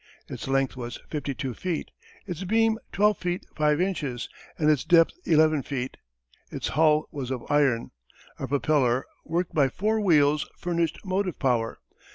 Its length was fifty two feet, its beam twelve feet five inches, and its depth eleven feet. Its hull was of iron. A propeller, worked by four wheels, furnished motive power.